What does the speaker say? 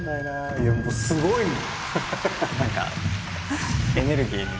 いやもうすごいもん。